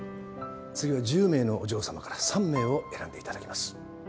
次は１０名のお嬢様から３名を選んでいただきます。